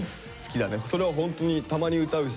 それはホントにたまに歌うし。